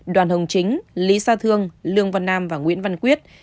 đoàn hồng chính lý sa thương lương văn nam và nguyễn văn quyết